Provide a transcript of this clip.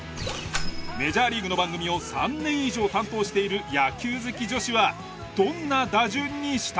メジャーリーグの番組を３年以上担当している野球好き女子はどんな打順にしたのか？